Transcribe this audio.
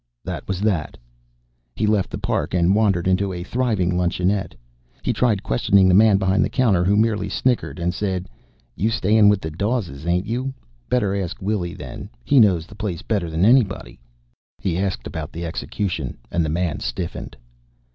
That was that. He left the park, and wandered into a thriving luncheonette. He tried questioning the man behind the counter, who merely snickered and said: "You stayin' with the Dawes, ain't you? Better ask Willie, then. He knows the place better than anybody." He asked about the execution, and the man stiffened.